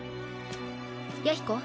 弥彦。